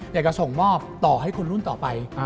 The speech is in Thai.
อยากจะส่งมอบต่อให้คนรุ่นต่อไป